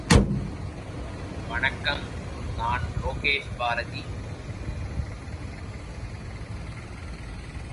உருப்பெருக்கம் ஓர் ஆயிரத்து ஐநூறு தடவைகள்.